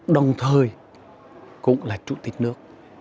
đồng thời cũng là chủ tịch nước